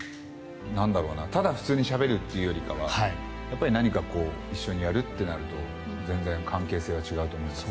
ただ普通にしゃべるよりかはやっぱり何か一緒にやるとなると全然関係性は違うと思います。